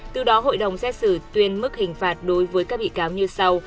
từ đó hội đồng xét xử tuyên mức hình phạt đối với các bị cáo như sau